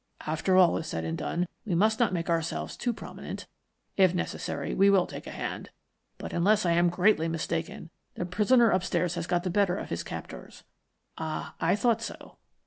"After all is said and done, we must not make ourselves too prominent. If necessary we will take a hand, but, unless I am greatly mistaken, the prisoner upstairs has got the better of his captors. Ah, I thought so."